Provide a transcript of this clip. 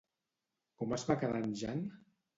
Com es va quedar en Jan?